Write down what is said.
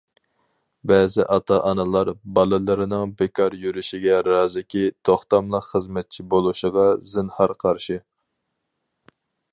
بەزى ئاتا- ئانىلار بالىلىرىنىڭ بىكار يۈرۈشىگە رازىكى توختاملىق خىزمەتچى بولۇشىغا زىنھار قارشى.